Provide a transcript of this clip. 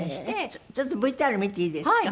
ちょっとＶＴＲ見ていいですか？